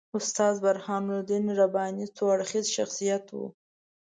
استاد برهان الدین رباني څو اړخیز شخصیت وو.